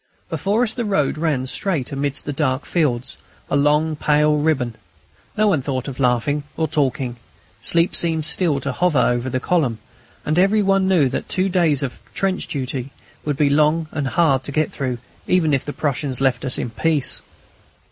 Before us the road ran straight amidst the dark fields, a long pale grey ribbon. No one thought of laughing or talking; sleep seemed still to hover over the column, and every one knew that the two days of trench duty would be long and hard to get through even if the Prussians left us in peace.